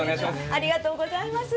ありがとうございます